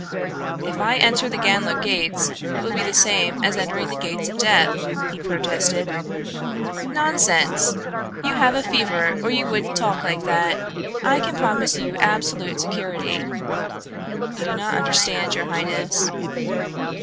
"If I enter the Ganlook gates it will be the same as entering the gates of death," he protested. "Nonsense! You have a fever or you wouldn't talk like that. I can promise you absolute security." "You do not understand, your highness."